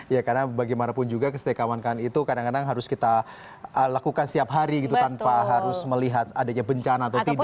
ya karena bagaimanapun juga kesetikawankan itu kadang kadang harus kita lakukan setiap hari gitu tanpa harus melihat adanya bencana atau tidak